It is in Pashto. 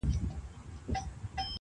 د هغه هر وخت د ښکلا خبر په لپه کي دي.